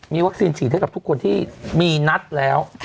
มีวัคซีนฉีดให้กับทุกคนที่มีนัดแล้ว